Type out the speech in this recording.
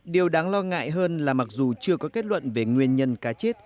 điều đáng lo ngại hơn là mặc dù chưa có kết luận về nguyên nhân cá chết